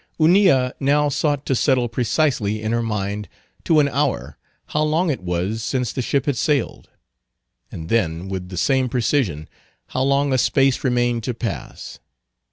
Hunilla now sought to settle precisely in her mind, to an hour, how long it was since the ship had sailed; and then, with the same precision, how long a space remained to pass.